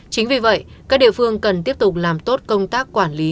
chính vì vậy các địa phương cần tiếp tục làm tốt công tác quản lý